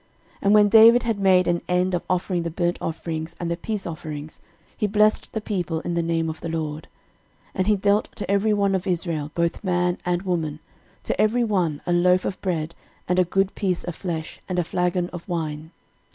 13:016:002 And when David had made an end of offering the burnt offerings and the peace offerings, he blessed the people in the name of the LORD. 13:016:003 And he dealt to every one of Israel, both man and woman, to every one a loaf of bread, and a good piece of flesh, and a flagon of wine.